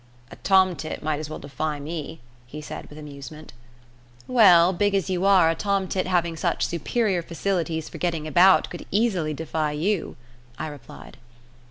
"A tomtit might as well defy me," he said with amusement. "Well, big as you are, a tomtit having such superior facilities for getting about could easily defy you," I replied.